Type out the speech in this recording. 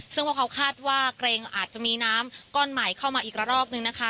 ซึ่งพวกเขาคาดว่าเกรงอาจจะมีน้ำก้อนใหม่เข้ามาอีกระรอกนึงนะคะ